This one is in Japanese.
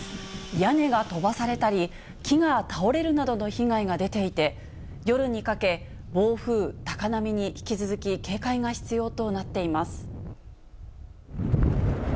屋根が飛ばされたり、木が倒れるなどの被害が出ていて、夜にかけ、暴風、高波に引き続き警戒が必要となっています。